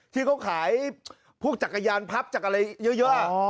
ที่เขาขายพวกจักรยานพับจากอะไรเยอะ